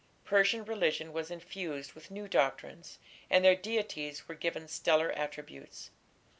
Persian religion was infused with new doctrines, and their deities were given stellar attributes.